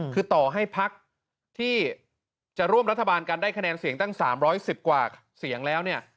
คือต่อให้พักที่จะร่วมรัฐบาลกันได้คะแนนเสียงตั้ง๓๑๐กว่าเสียงแล้วเนี่ย